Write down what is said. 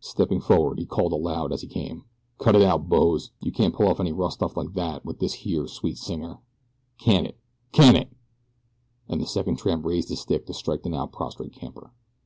Stepping forward he called aloud as he came: "Cut it out, boes! You can't pull off any rough stuff like that with this here sweet singer. Can it! Can it!" as the second tramp raised his stick to strike the now prostrate camper.